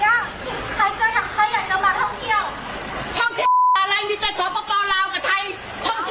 ใครอยากจอกไทยจะมาท่องเที่ยว